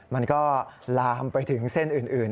มันก็ลามไปถึงเส้นอื่น